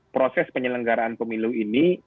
proses penyelenggaraan pemilu ini